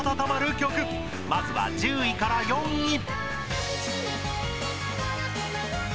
まずは１０位から４位！